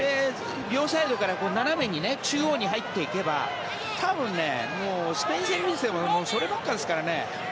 両サイドから斜めに中央に入っていけば多分ね、スペイン戦を見ていてもそればかりですからね。